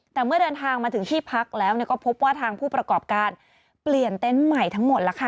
แต่เมื่อเดินทางมาถึงที่พักแล้วก็พบว่าทางผู้ประกอบการเปลี่ยนเต็นต์ใหม่ทั้งหมดแล้วค่ะ